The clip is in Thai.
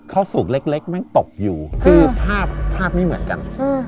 เข้าสู่เล็กแม่งตกอยู่คือภาพภาพไม่เหมือนกัน